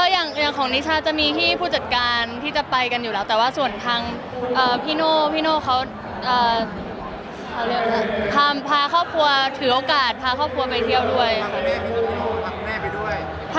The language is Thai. อย่างของนิช่าจะมีที่ผู้จัดการที่จะไปกันอยู่แล้วแต่ว่าส่วนทางน้อเขาถือโอกาสพาครอบครัวไปเที่ยวด้วยค่ะ